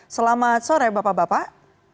selamat sore bapak bapak